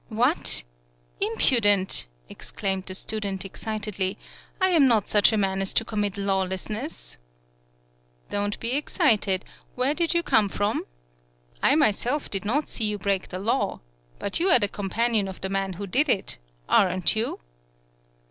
"What! Impudent!" exclaimed the student excitedly. "I am not such a man as to commit lawlessness!" "Don't be excited. Where did you come from? I myself did not see you break the law. But you are the com panion of the man who did it, aren't you?"